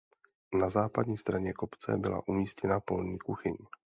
Na západní straně kopce byla umístěna polní kuchyň.